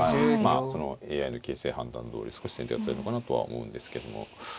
まあそのＡＩの形勢判断どおり少し先手がつらいのかなとは思うんですけども。